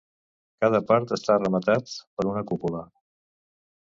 Cada part està rematat per una cúpula.